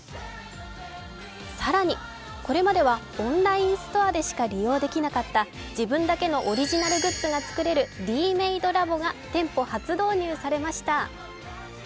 更にこれまではオンラインストアでしか利用できなかった自分だけのオリジナルグッズが作れるＤ−Ｍａｄｅラボが店舗初導入されました。